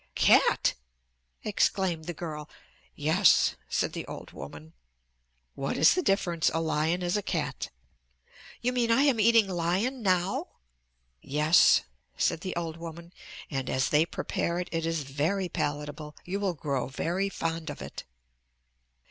"Cat?" exclaimed the girl. "Yes," said the old woman. "What is the difference a lion is a cat." "You mean I am eating lion now?" "Yes," said the old woman, "and as they prepare it, it is very palatable. You will grow very fond of it."